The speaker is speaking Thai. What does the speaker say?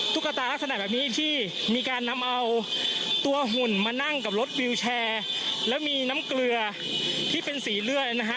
ตุ๊กตาลักษณะแบบนี้ที่มีการนำเอาตัวหุ่นมานั่งกับรถวิวแชร์แล้วมีน้ำเกลือที่เป็นสีเลือดนะฮะ